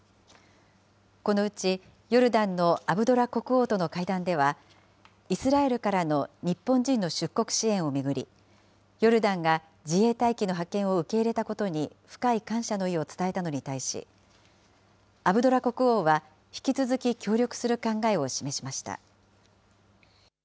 このうちヨルダンのアブドラ国王との会談では、イスラエルからの日本人の出国支援を巡り、ヨルダンが自衛隊機の派遣を受け入れたことに深い感謝の意を伝えたのに対し、アブドラ国王は引き続き協力する考えを示しました。